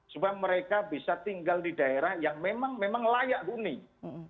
supaya mereka bisa tinggal di daerah yang memang layak kuning